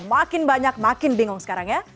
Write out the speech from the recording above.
makin banyak makin bingung sekarang ya